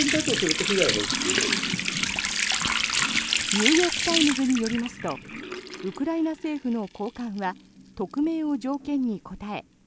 ニューヨーク・タイムズによりますとウクライナ政府の高官は匿名を条件に答え